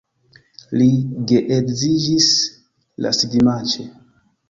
Ni geedziĝis lastdimanĉe.